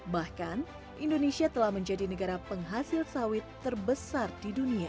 bahkan indonesia telah menjadi negara penghasil sawit terbesar di dunia